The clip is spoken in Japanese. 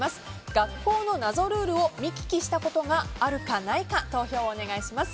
学校の謎ルールを見聞きしたことがあるかないか投票をお願いします。